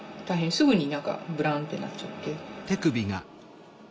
すぐに何かブランってなっちゃって。